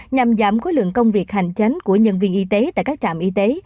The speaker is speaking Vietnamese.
nhằm giảm khối lượng công việc hành chánh của nhân viên y tế tại các trạm y tế